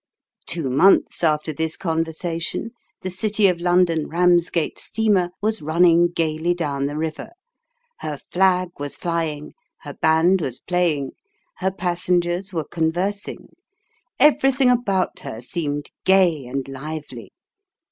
. Two months after this conversation, the City of London Eamsgate steamer was running gaily down the river. Her flag was flying, her band was playing, her passengers were conversing ; everything about her seemed gay and lively.